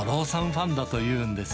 ファンだというんです。